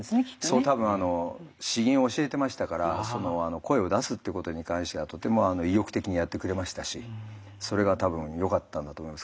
そう多分詩吟を教えてましたから声を出すっていうことに関してはとても意欲的にやってくれましたしそれが多分よかったんだと思います。